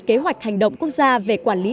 kế hoạch hành động quốc gia về quản lý